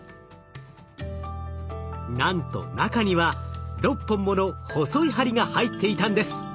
なんと中には６本もの細い針が入っていたんです。